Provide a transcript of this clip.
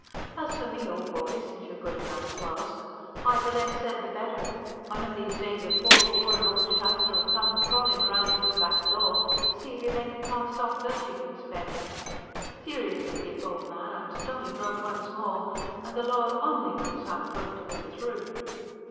AS FOR ME, OLD BOY, SINCE YOU'RE GOOD ENOUGH TO ASK, WHY THE LESS SAID THE BETTER. ONE OF THESE DAYS A POOR WORN OLD SHICER'LL COME CRAWLING ROUND TO YOUR BACK DOOR TO SEE IF YOU'VE ANY CAST OFF DUDS YOU CAN SPARE HIM. SERIOUSLY, DICK, OLD MAN, I'M STONY BROKE ONCE MORE AND THE LORD ONLY KNOWS HOW I'M GOING TO WIN THROUGH.